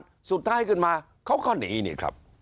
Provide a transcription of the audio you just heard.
มีเงินประกันขึ้นมาเขาก็หนีนี่ครับ